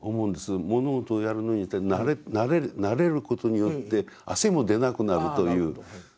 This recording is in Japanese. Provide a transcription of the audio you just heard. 物事をやるのに慣れることによって汗も出なくなるという状態